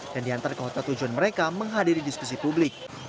dan diantar ke hotel tujuan mereka menghadiri diskusi publik